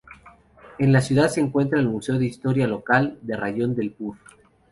En la ciudad se encuentra el Museo de historia local del rayón del Pur.